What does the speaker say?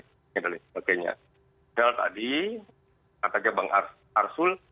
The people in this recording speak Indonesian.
padahal tadi katanya bang arsul